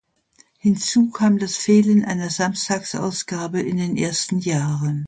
Hinzu kam das Fehlen einer Samstagsausgabe in den ersten Jahren.